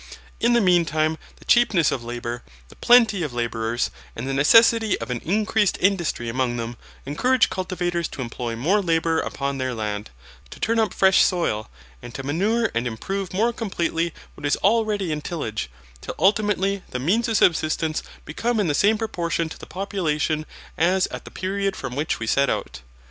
In the mean time the cheapness of labour, the plenty of labourers, and the necessity of an increased industry amongst them, encourage cultivators to employ more labour upon their land, to turn up fresh soil, and to manure and improve more completely what is already in tillage, till ultimately the means of subsistence become in the same proportion to the population as at the period from which we set out.